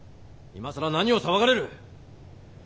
今更何を騒がれる？